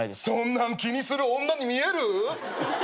そんなん気にする女に見える？